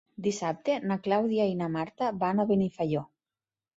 Dissabte na Clàudia i na Marta van a Benifaió.